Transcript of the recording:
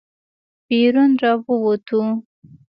بېرون راووتو.